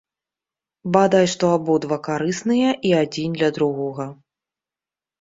Бадай што абодва карысныя і адзін для другога.